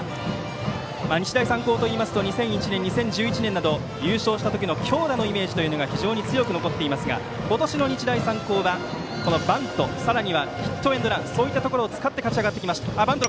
日大三高といいますと２００１年、２０１１年など優勝した時の強打のイメージが非常に強く残っていますが今年の日大三高はバントさらにはヒットエンドランといったところを使って勝ち上がってきました。